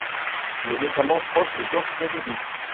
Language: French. Il est notamment proche de Georges Pompidou.